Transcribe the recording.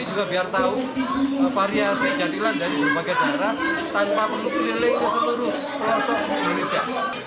ini juga biar tahu variasi jatilan dari rumah kejaran tanpa memilih di seluruh pelosok indonesia